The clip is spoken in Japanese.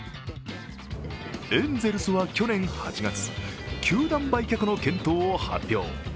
エンゼルスは去年８月、球団売却の検討を発表。